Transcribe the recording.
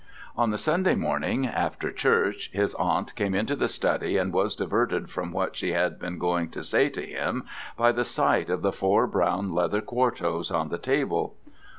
On the Sunday morning, after church, his aunt came into the study and was diverted from what she had been going to say to him by the sight of the four brown leather quartos on the table.